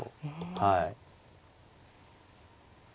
はい。